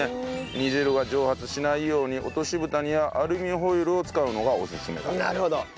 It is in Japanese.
煮汁が蒸発しないように落とし蓋にはアルミホイルを使うのがオススメだという。